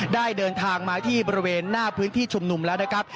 ได้เดินทางมาที่บริเวณหน้าพื้นที่ชุมนุมแล้วนะครับ